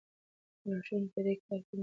لارښوونې په دې کار کې مهمې دي.